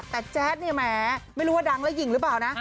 แต่แจ๊ดเนี่ยแหมไม่รู้ว่าดังแล้วหญิงหรือเปล่านะ